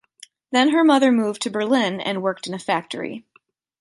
Then her mother moved to Berlin and worked in a factory.